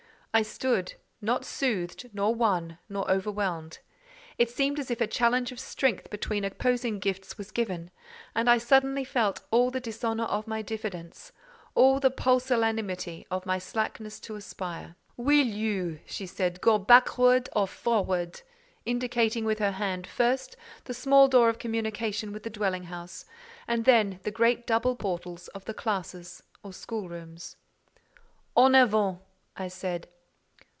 I stood—not soothed, nor won, nor overwhelmed. It seemed as if a challenge of strength between opposing gifts was given, and I suddenly felt all the dishonour of my diffidence—all the pusillanimity of my slackness to aspire. "Will you," she said, "go backward or forward?" indicating with her hand, first, the small door of communication with the dwelling house, and then the great double portals of the classes or schoolrooms. "En avant," I said.